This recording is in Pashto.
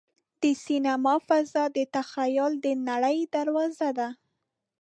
د سینما فضا د تخیل د نړۍ دروازه ده.